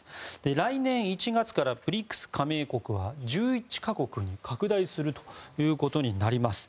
来年１月からＢＲＩＣＳ加盟国は１１か国に拡大することになります。